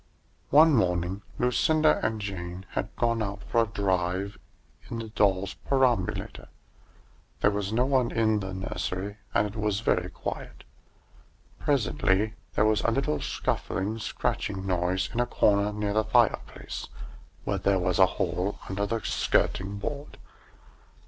One morning Lucinda and Jane had gone out for a drive in the doll's perambulator. There was no one in the nursery, and it was very quiet. Presently there was a little scuffling, scratching noise in a corner near the fireplace, where there was a hole under the skirting board.